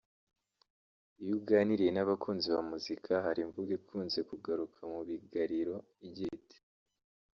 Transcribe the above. Iyo uganiriye n’abakunzi ba muzika hari imvugo ikunze kugaruka mu bigariro igira iti